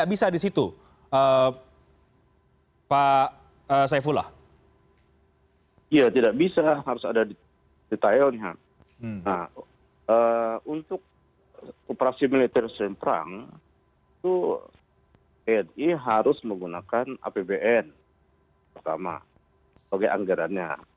itu tni harus menggunakan apbn pertama sebagai anggarannya